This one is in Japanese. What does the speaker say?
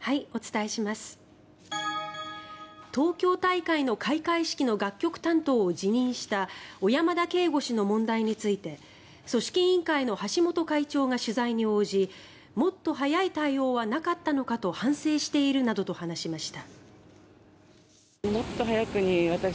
東京大会の開会式の楽曲担当を辞任した小山田圭吾氏の問題について組織委員会の橋本会長が取材に応じもっと早い対応はなかったのかと反省しているなどと話しました。